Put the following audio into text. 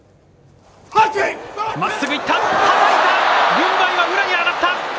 軍配は宇良に上がった。